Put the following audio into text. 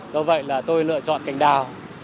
do vậy là tôi lựa chọn cành đào